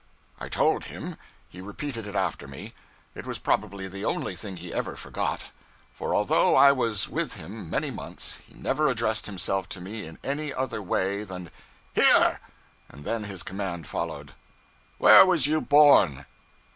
I told him. He repeated it after me. It was probably the only thing he ever forgot; for although I was with him many months he never addressed himself to me in any other way than 'Here!' and then his command followed. 'Where was you born?'